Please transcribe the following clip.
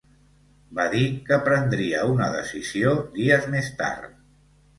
Va dir que prendria una decisió dies més tard.